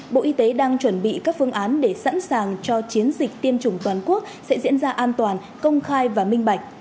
bộ y tế đang chuẩn bị các phương án để sẵn sàng cho chiến dịch tiêm chủng toàn quốc sẽ diễn ra an toàn công khai và minh bạch